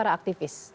pada para aktivis